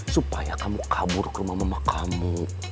supaya kamu kabur ke rumah rumah kamu